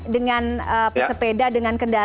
dengan pesepeda dengan kendaraan